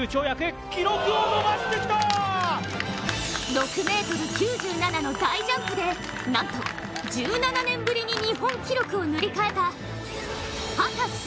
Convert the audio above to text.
６ｍ９７の大ジャンプでなんと、１７年ぶりに日本記録を塗り替えた秦澄